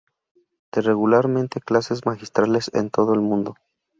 Da regularmente clases magistrales en todo el mundo.